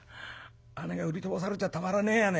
姉が売り飛ばされちゃたまらねえやね。